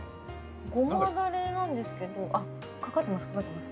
ごまだれなんですけどあっかかってますかかってます。